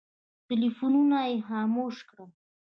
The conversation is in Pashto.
ټلفونونه یې خاموش کړل.